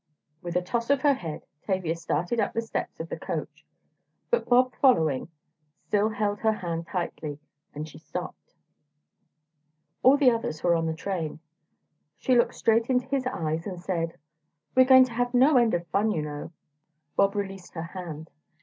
With a toss of her head, Tavia started up the steps of the coach, but Bob following, still held her hand tightly, and she stopped. All the others were on the train. She looked straight into his eyes and said: "We're going to have no end of fun, you know." Bob released her hand.